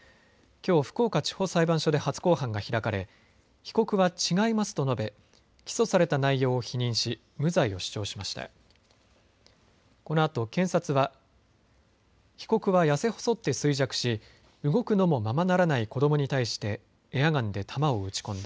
きょう福岡地方裁判所で初公判が開かれ被告は違いますと述べ起訴された内容を否認し無罪を主張しました。